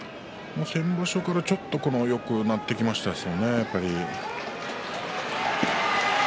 先場所からちょっとよくなってきましたものね。